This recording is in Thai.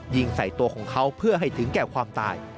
ยิงใส่ตัวของเขาเพื่อให้ถึงแก่ความตาย